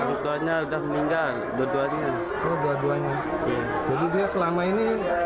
jadi dia selama ini